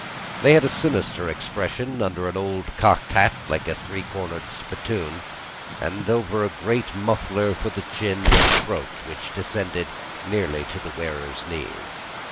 They had a sinister expression, under an old cocked hat like a three cornered spittoon, and over a great muffler for the chin and throat, which descended nearly to the wearer's knees.